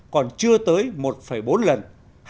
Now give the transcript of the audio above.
còn chưa tới một bốn lần